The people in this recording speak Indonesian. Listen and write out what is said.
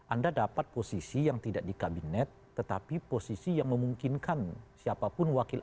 anda dapat posisi yang tidak di kabinet tetapi posisi yang memungkinkan siapapun wakil